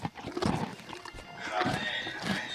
ایا کورني سوداګر شین ممیز اخلي؟